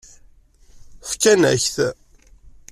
Fkan-ak-t.